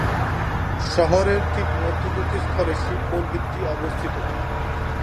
শহরের ঠিক মধ্যবর্তী স্থলে শিব মন্দিরটি অবস্থিত।